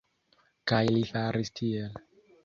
Kaj li faris tiel.